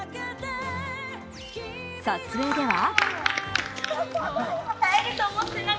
撮影では？